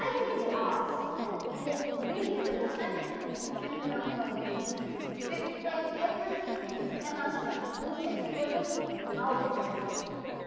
think they are," said Helen. ^^And it's really very kind of them to stand around while we read, to explain everything and to tell us just who said every thing and how they said it."